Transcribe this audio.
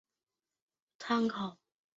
剧集在大中华区的其他译名可参考。